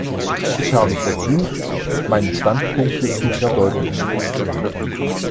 Ich habe versucht, meine Standpunkte zu verdeutlichen.